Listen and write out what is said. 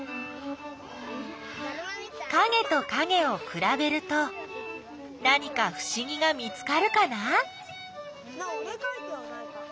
かげとかげをくらべると何かふしぎが見つかるかな？